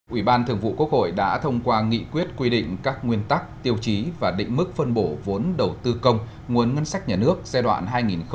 ủy ban thường vụ quốc hội đã thông qua nghị quyết quy định các nguyên tắc tiêu chí và định mức phân bổ vốn đầu tư công nguồn ngân sách nhà nước giai đoạn hai nghìn hai mươi một hai nghìn hai mươi năm